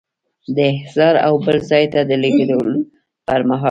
د احضار او بل ځای ته د لیږلو پر مهال.